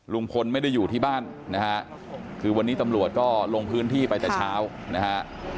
ลุงพลไม่ได้อยู่ที่บ้านนะฮะคือวันนี้ตำรวจก็ลงพื้นที่ไปแต่เช้านะฮะ